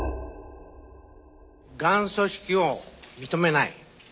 ガン組織を認めない。